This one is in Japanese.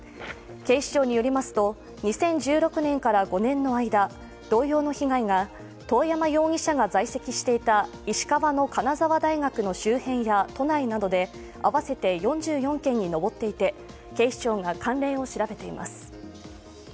警視庁によりますと、２０１６年から５年の間同様の被害が遠山容疑者が在籍していた石川の金沢大学の周辺や都内などで合わせて４４件に上っていて、警視庁が関連を調べています。